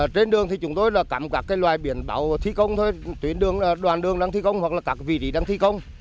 trên đường thì chúng tôi là cắm các loài biển báo thi công thôi tuyến đoàn đường đang thi công hoặc là các vị trí đang thi công